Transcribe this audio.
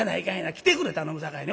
着てくれ頼むさかいに。